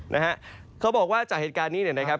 นะฮะเขาบอกว่าจากเหตุการณ์นี้เนี่ยนะครับ